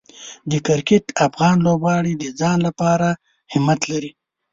د کرکټ افغان لوبغاړي د ځان لپاره همت لري.